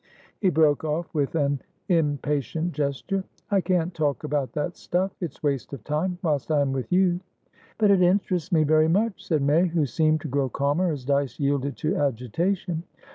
He broke off with an impatient gesture. "I can't talk about that stuff! It's waste of time, whilst I am with you." "But it interests me very much," said May, who seemed to grow calmer as Dyce yielded to agitation.